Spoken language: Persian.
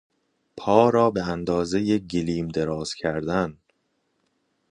پا را به اندازهٔ گلیم دراز کردن